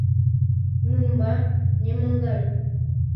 Mymba ñemongaru.